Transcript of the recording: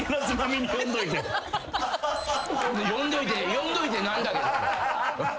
呼んどいてなんだけど。